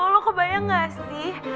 lo kebayang gak sih